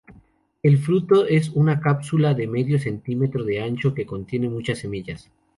El fruto es una cápsula de medio centímetro de ancho que contiene muchas semillas.